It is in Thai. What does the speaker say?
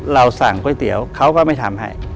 เราสั่งก้อยเตี๋ยวมันไม่ทำให้